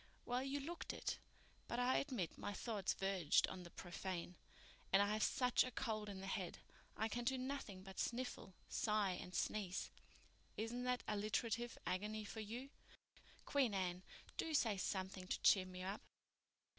"Well, you looked it. But I admit my thoughts verged on the profane. And I have such a cold in the head—I can do nothing but sniffle, sigh and sneeze. Isn't that alliterative agony for you? Queen Anne, do say something to cheer me up."